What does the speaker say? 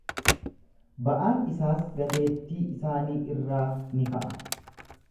Ba’aan isaas gateettii isaanii irraa ni ka’a.